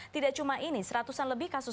tidak cuma ini seratusan lebih kasus